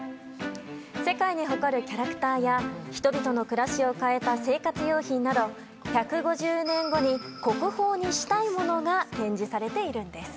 世界に誇るキャラクターや人々の暮らしを変えた生活用品など１５０年後に国宝にしたいものが展示されているんです。